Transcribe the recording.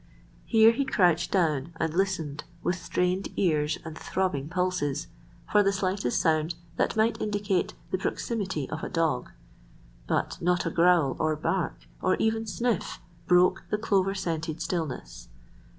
Here he crouched down, and listened, with strained ears and throbbing pulses, for the slightest sound that might indicate the proximity of a dog. But not a growl, or bark, or even sniff, broke the clover scented stillness.